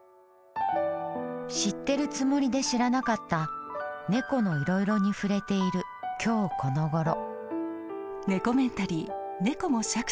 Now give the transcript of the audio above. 知ってるつもりで知らなかった猫のいろいろに触れている今日このごろ。